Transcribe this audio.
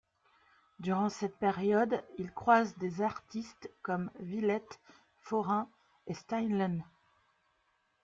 Durant cette période, il croise des artistes comme Willette, Forain et Steinlen.